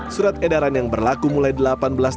surat edaran yang berlaku mulai delapan belas maret